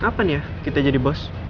kapan ya kita jadi bos